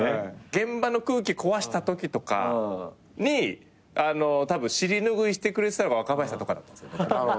現場の空気壊したときとかにたぶん尻拭いしてくれてたのが若林さんとかだったんですよ。